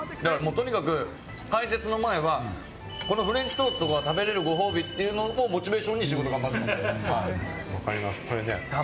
とにかく解説の前は、このフレンチトーストが食べれるご褒美というのをモチベーションに仕事を頑張っていました。